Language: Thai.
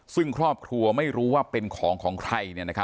ซึ่งครอบครัวไม่รู้ว่าเป็นของของใคร